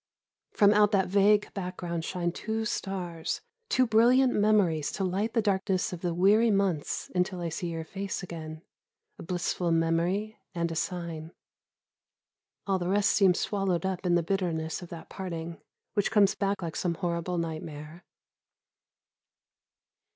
From out that vague background shine two stars, two brilliant memories to light the darkness of the weary months until I see your face again a blissful memory and a sign. All the rest seems swallowed up in the bitterness of that parting, which comes back like some horrible nightmare.